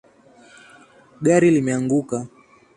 Gari limeanguka